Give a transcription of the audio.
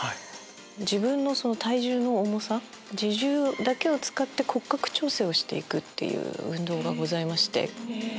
自分の体重の重さ自重だけを使って骨格調整をして行くっていう運動がございまして。